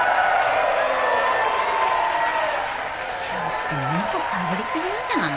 ちょっと猫かぶりすぎなんじゃない？